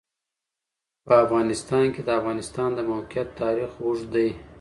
په افغانستان کې د د افغانستان د موقعیت تاریخ اوږد دی.